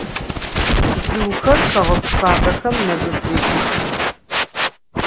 Bzıuxer xeğegu fabexem mebıbıjıx.